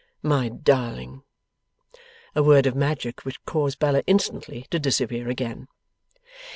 My Darling!' A word of magic which caused Bella instantly to disappear again.